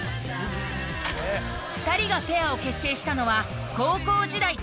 ２人がペアを結成したのは高校時代。